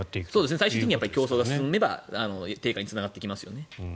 最終的には競争があれば低下につながっていきますよね。